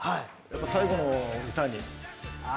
最後の歌に。